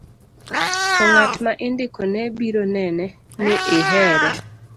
to ng'at ma indiko ne biro nene ni ihere